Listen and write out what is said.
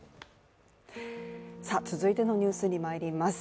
続いてのニュースにまいります。